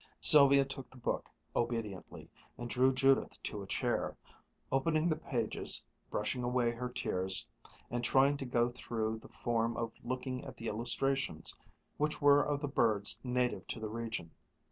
Sylvia took the book obediently, and drew Judith to a chair, opening the pages, brushing away her tears, and trying to go through the form of looking at the illustrations, which were of the birds native to the region.